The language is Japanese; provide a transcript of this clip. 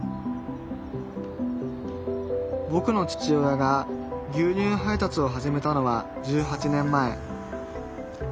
ぼくの父親が牛乳配達を始めたのは１８年前。